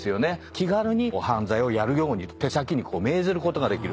気軽に犯罪をやるように手先に命ずることができる。